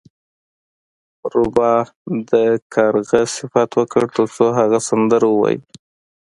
روباه د کارغه صفت وکړ ترڅو هغه سندره ووایي.